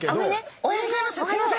おはようございます！